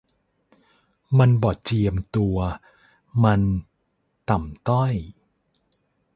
มันบ่เจียมตัวมัน ต่ำต้อย